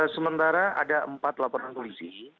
sementara ada empat laporan polisi